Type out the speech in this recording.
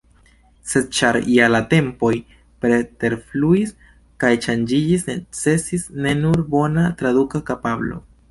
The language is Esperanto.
Sed ĉar ja la tempoj preterfluis kaj ŝanĝiĝis, necesis ne nur bona traduka kapablo.